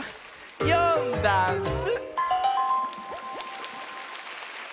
「よんだんす」